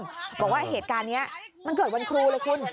บอกว่าเหตุการณ์นี้มันเกิดวันครูเลยคุณ